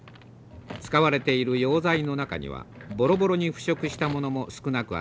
使われている用材の中にはボロボロに腐食したものも少なくありません。